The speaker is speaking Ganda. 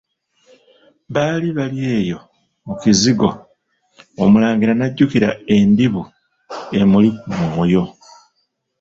Baali bali eyo mu kizigo, omulangira n'ajjukira endibu emuli ku mwoyo.